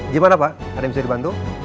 gimana pak ada yang bisa dibantu